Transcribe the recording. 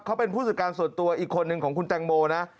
เขาเป็นผู้จัดการส่วนตัวอีกคนนึงของคุณแตงโมนะ